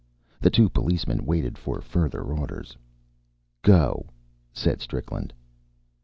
The two policemen waited further orders. "Go!" said Strickland.